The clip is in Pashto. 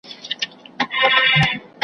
ستا رګو ته د ننګ ویني نه دي تللي .